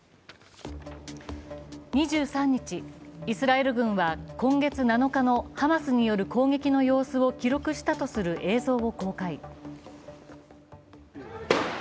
２３日、イスラエル軍は、今月７日のハマスによる攻撃の様子を記録したとする映像を公開。